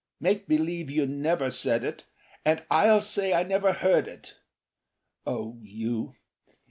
Make believe you never said it, And I'll say I never heard it. ... Oh, you.